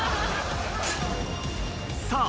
さあ